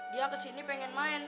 dia kesini pengen main